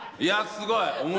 すごい。